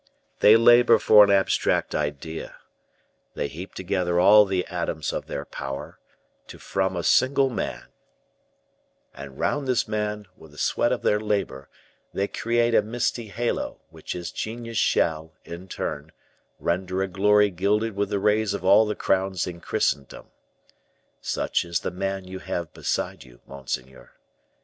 They labor for an abstract idea; they heap together all the atoms of their power, so from a single man; and round this man, with the sweat of their labor, they create a misty halo, which his genius shall, in turn, render a glory gilded with the rays of all the crowns in Christendom. Such is the man you have beside you, monseigneur.